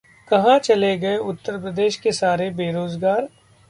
कहां चले गए उत्तर प्रदेश के सारे बेरोजगार?